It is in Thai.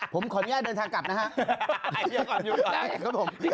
ผมขออนุญาต์เดินทางกลับนะครับ